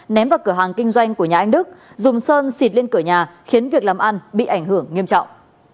ném vào cửa hàng kinh doanh của nhà anh đức dùng sơn xịt lên cửa nhà khiến việc làm ăn bị ảnh hưởng nghiêm trọng